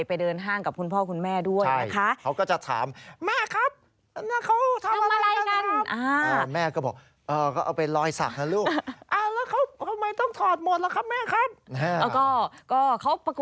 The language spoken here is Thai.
ไปเดินห้างกับคุณพ่อคุณแม่ด้วยนะคะ